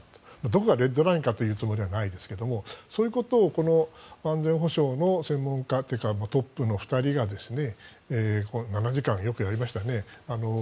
どこがレッドラインかと言うつもりはないですがそういうことをこの安全保障の専門家というかトップの２人が７時間よくやりましたね。